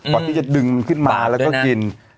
ที่จะดึงขึ้นมาแล้วก็กิน